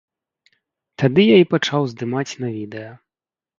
Тады я і пачаў здымаць на відэа.